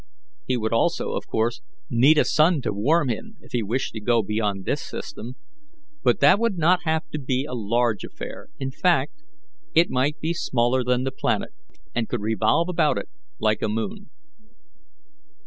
He would also, of course, need a sun to warm him, if he wished to go beyond this system, but that would not have to be a large affair in fact, it might be smaller than the planet, and could revolve about it like a moon."